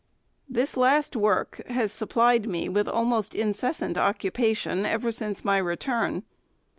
This last work has supplied me with almost incessant occupation ever since my return.